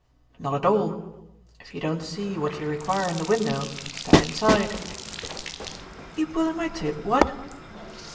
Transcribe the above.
"Not at all. If you don't see what you require in the window, step inside." "You pulling my tib, what!"